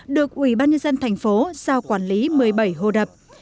được ủy ban nhân dân thành phố giao quản lý một mươi bảy hồ đập